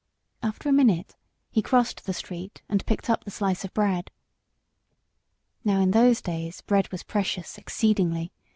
After a minute he crossed the street, and picked up the slice of bread. Now in those days bread was precious, exceedingly.